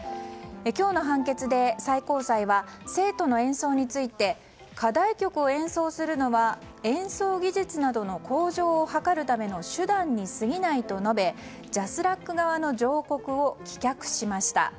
今日の判決で、最高裁は生徒の演奏について課題曲を演奏するのは演奏技術などの向上を図るための手段にすぎないと述べＪＡＳＲＡＣ側の上告を棄却しました。